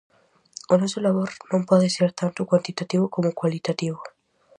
O noso labor non pode ser tanto cuantitativo como cualitativo.